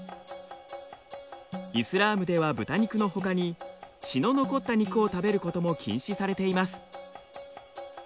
イスラームでは豚肉のほかに血の残った肉を食べることも禁止されています。